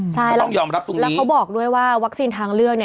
ใช่แล้วเขาบอกด้วยว่าวัคซีนทางเลือก